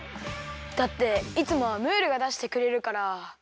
だっていつもはムールがだしてくれるから。